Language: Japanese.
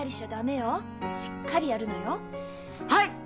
はい！